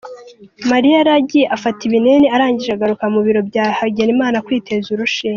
Mariya yaragiye afata ibinini arangije agaruka mu biro bya Hagenimana kwiteza urushinge.